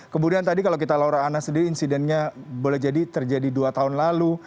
kemudian tadi kalau kita laura ana sendiri insidennya boleh jadi terjadi dua tahun lalu